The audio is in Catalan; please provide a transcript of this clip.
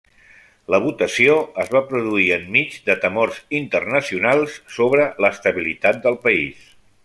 La votació es va produir enmig de temors internacionals sobre l'estabilitat del país.